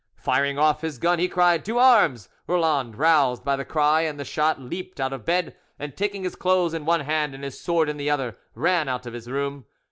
Firing off his gun, he cried, "To arms!" Roland, roused by the cry and the shot, leaped out of bed, and taking his clothes in one hand and his sword in the other, ran out of his room.